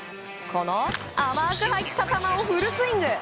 甘く入った球をフルスイング！